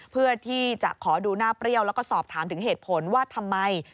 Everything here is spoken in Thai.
เพื่อที่จะขอดูหน้าเปรี้ยวแล้วก็สอบถามถึงเหตุผลว่าทำไม